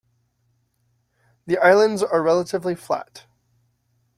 The islands are relatively flat.